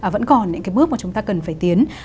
vẫn còn những cái bước mà chúng ta cần phải tiến